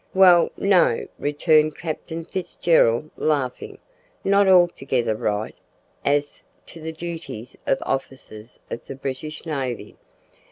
"Well, no," returned Captain Fitzgerald, laughing, "not altogether right as to the duties of officers of the British navy.